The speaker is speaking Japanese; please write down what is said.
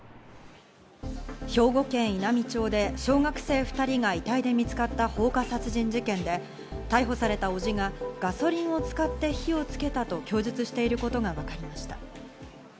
兵庫県稲美町で小学生２人が遺体で見つかった放火殺人事件で、逮捕された伯父がガソリンを使って火をつけたと供述していることがわかりました。